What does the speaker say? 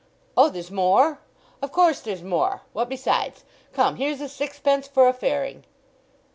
"Oh, there's more? Of course there's more! What besides? Come, here's a sixpence for a fairing."